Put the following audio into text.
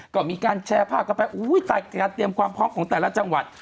ก็มีการแชร์ภาพกันไปอุ้ยการเตรียมความพร้อมของแต่ละจังหวัด